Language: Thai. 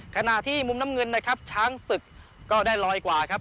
ขณะที่มุมน้ำเงินนะครับช้างศึกก็ได้ลอยกว่าครับ